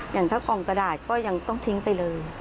อย่างถ้าคลองกระดาษก็ยังต้องทิ้งไปเลย